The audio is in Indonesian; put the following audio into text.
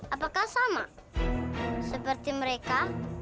apakah sama seperti mereka